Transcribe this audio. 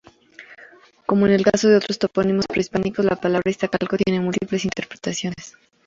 Como en el caso de otros topónimos prehispánicos, la palabra Iztacalco tiene múltiples interpretaciones.